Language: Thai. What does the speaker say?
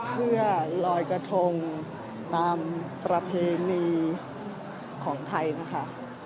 เพื่อลอยกระทงตามประเพณีของไทยนะคะ